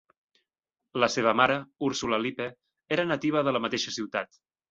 La seva mare, Ursula Lippe, era nativa de la mateixa ciutat.